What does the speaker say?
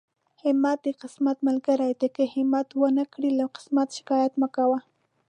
همت د قسمت ملګری دی، که همت ونکړې له قسمت شکايت مکوه.